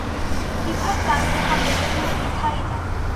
বিভার প্রাণে যাহা হইল তাহা বিভাই জানে।